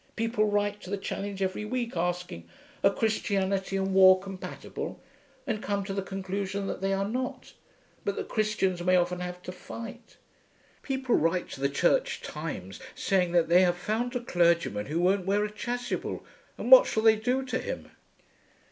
People write to the Challenge every week asking 'Are Christianity and War compatible?' and come to the conclusion that they are not, but that Christians may often have to fight. People write to the Church Times saying that they have found a clergyman who won't wear a chasuble, and what shall they do to him?